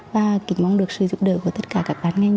và kính mong được sử dụng đời của tất cả các ban ngành